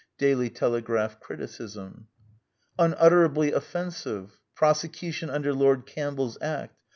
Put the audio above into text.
Daily Telegraph [criticism]. " Unutterably off ensive. ... Prose cution under Lord Campbell's Act.